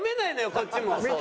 こっちも。